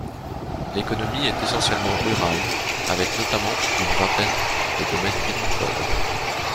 L'économie est essentiellement rurale, avec notamment plus d'une vingtaine de domaines vinicoles.